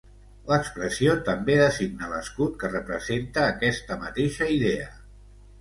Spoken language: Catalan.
L'expressió també designa l'escut que representa aquesta mateixa idea.